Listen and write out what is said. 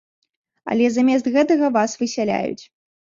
Але замест гэтага вас высяляюць.